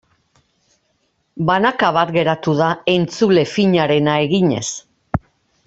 Banaka bat geratu da entzule finarena eginez.